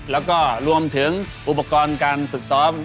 แล้วก็รวมถึงอุปกรณ์การฝึกซ้อม